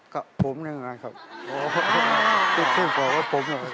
กับผมด้วยกันครับ